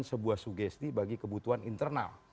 untuk menghadirkan sebuah sugesti bagi kebutuhan internal